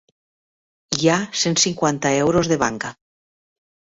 Hi ha cent cinquanta euros de banca.